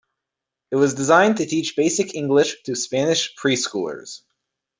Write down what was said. It was designed to teach basic English to Spanish preschoolers.